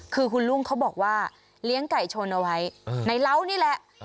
คือคุณลุงเขาบอกว่าเลี้ยงไก่ชนเอาไว้ในเหล้านี่แหละ